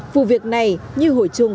vụ việc này như hội chung